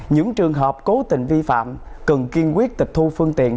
những trường hợp cố tình vi phạm cần kiên quyết tịch thu phương tiện